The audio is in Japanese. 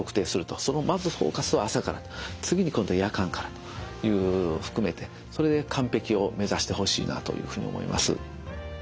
そのまずフォーカスは朝から次に今度夜間からというのを含めてそれで完璧を目指してほしいなというふうに思います。